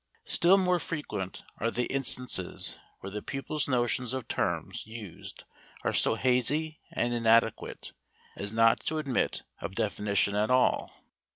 Still more frequent are the instances where the pupil's notions of terms used are so hazy and inadequate as not to admit of definition at all.